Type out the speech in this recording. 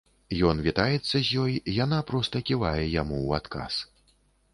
Ён вітаецца з ёй, яна проста ківае яму ў адказ.